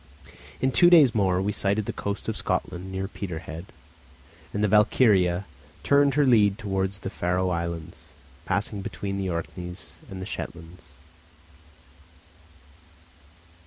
In two days more we sighted the coast of Scotland near Peterhead, and the Valkyria turned her lead towards the Faroe Islands, passing between the Orkneys and Shetlands.